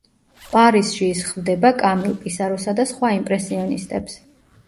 პარიზში ის ხვდება კამილ პისაროსა და სხვა იმპრესიონისტებს.